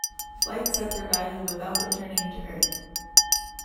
Flights are provided without returning to Earth.